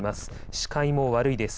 視界も悪いです。